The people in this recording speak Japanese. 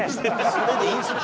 それでいいんですか？